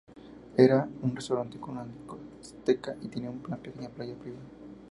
Era un restaurante con una discoteca y tenía una pequeña playa privada.